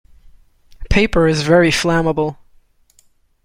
Paper is very flammable.